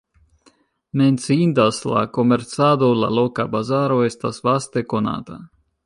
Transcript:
Menciindas la komercado, la loka bazaro estas vaste konata.